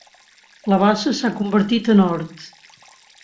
La bassa s'ha convertit en hort.